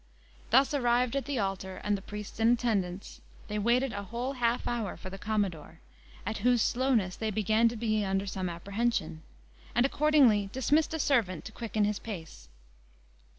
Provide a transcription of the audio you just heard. Thus arrived at the altar, and the priest in attendance, they waited a whole half hour for the commodore, at whose slowness they began to be under some apprehension, and accordingly dismissed a servant to quicken his pace.